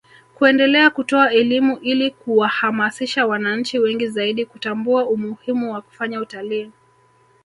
kuendelea kutoa elimu ili kuwahamasisha wananchi wengi zaidi kutambua umuhimu wa kufanya utalii